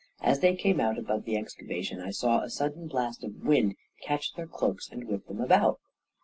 As they came out above the exca vation, I saw a sudden blast of wind catch their cloaks and whip them about.